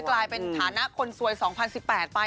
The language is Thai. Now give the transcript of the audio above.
กลายเป็นฐานะคนสวย๒๐๑๘ไป